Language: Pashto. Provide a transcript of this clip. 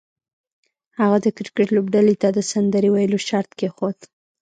هغه د کرکټ لوبډلې ته د سندرې ویلو شرط کېښود